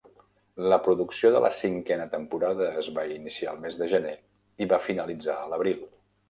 La producció de la cinquena temporada es va iniciar al mes de gener i va finalitzar a l'abril.